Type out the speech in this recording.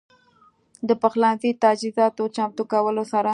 د پخلنځي تجهيزاتو چمتو کولو سره